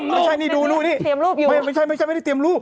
ไม่ใช่นี่ดูนู่นี่